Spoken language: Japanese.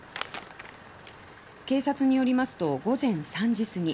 警察によりますと午前３時すぎ